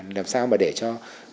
là làm sao mà để cho